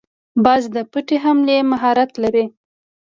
باز د پټې حملې مهارت لري